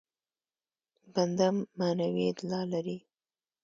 بنده معنوي اعتلا لري.